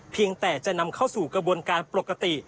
เพียงแต่จะนำเข้าสู่กระบวนการปกติ